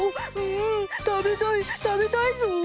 うん食べたい食べたいぞ。